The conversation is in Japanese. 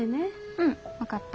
うん分かった。